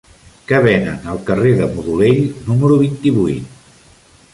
Què venen al carrer de Modolell número vint-i-vuit?